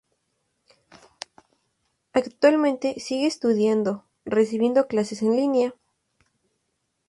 Actualmente sigue estudiando, recibiendo clases en línea.